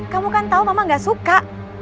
kamu kan tahu mama gak suka